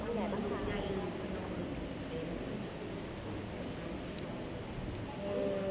สวัสดีครับสวัสดีครับ